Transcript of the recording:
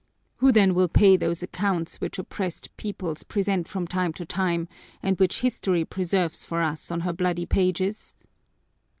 Who then will pay those accounts which oppressed peoples present from time to time and which History preserves for us on her bloody pages?"